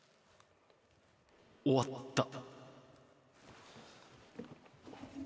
終わった